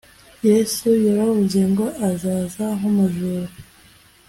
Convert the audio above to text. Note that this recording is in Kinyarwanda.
yesu yaravuze ngo azaza nk’ umujura